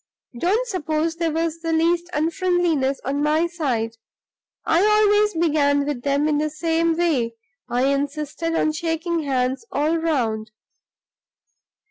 Don't suppose there was the least unfriendliness on my side; I always began with them in the same way I insisted on shaking hands all round.